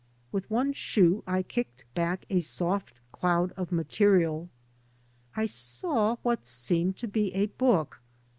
With one shoe I kicked back a soft cloud of material. I saw what seemed to be a book.